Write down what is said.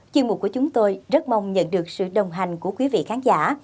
chương mục của chúng tôi rất mong nhận được sự đồng hành của quý vị khán giả